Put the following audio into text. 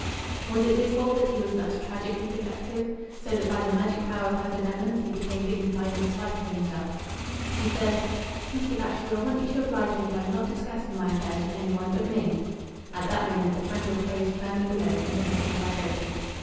Was it his fault that he was thus tragically defective? So that by the magic power of her benevolence he became dignified in spite of himself. She said "Mr. Batchgrew, I want you to oblige me by not discussing my affairs with any one but me." At that moment the front door closed firmly below, and the bedroom vibrated.